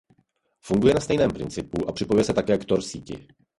Funguje na stejném principu a připojuje se také k Tor síti.